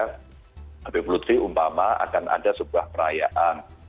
mbak bebelutri umpama akan ada sebuah perayaan